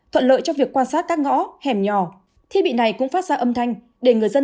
thuận lợi cho việc quan sát các ngõ hẻm nhỏ thiết bị này cũng phát ra âm thanh để người dân